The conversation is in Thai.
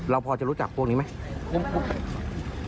พอจะรู้จักพวกนี้ไหม